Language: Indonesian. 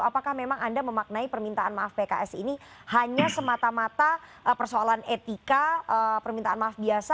apakah memang anda memaknai permintaan maaf pks ini hanya semata mata persoalan etika permintaan maaf biasa